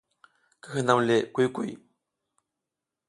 Ki hinam le kuy kuy.